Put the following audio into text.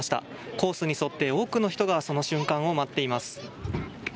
コースに沿って多くの人がその瞬間を待っています。